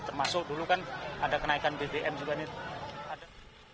termasuk dulu kan ada kenaikan bbm juga nih